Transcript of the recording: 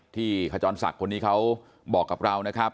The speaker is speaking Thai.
ขจรศักดิ์คนนี้เขาบอกกับเรานะครับ